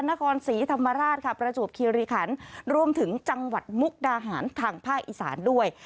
นครศรีธรรมราชค่ะประจวบคิริขันรวมถึงจังหวัดมุกดาหารทางภาคอีสานด้วย